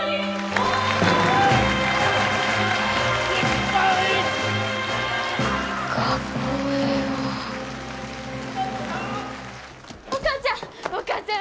お母ちゃんお母ちゃん！お帰り。